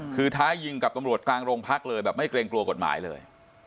คือท้ายิงกับตำรวจกลางโรงพักเลยแบบไม่เกรงกลัวกฎหมายเลย